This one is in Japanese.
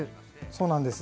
そうなんです。